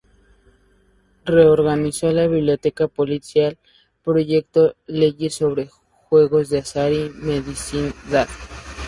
Reorganizó la Biblioteca policial, proyectó leyes sobre juegos de azar y mendicidad.